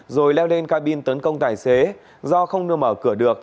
rồi leo lên cabin tấn công tài xế do không mở cửa được